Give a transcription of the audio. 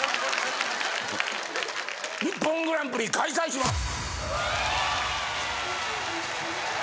『ＩＰＰＯＮグランプリ』開催します！